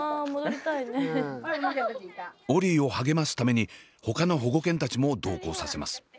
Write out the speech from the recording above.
オリィを励ますためにほかの保護犬たちも同行させます。